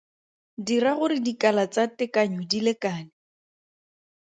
Dira gore dikala tsa tekanyo di lekane.